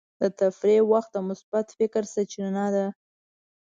د تفریح وخت د مثبت فکر سرچینه ده.